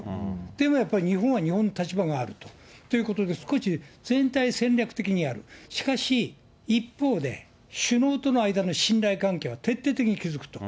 でもやっぱり日本は日本の立場があるということで、少し全体戦略的にやる、しかし、一方で、首脳との間の信頼関係は徹底的に築くと。